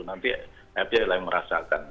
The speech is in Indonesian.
nanti fj lain merasakan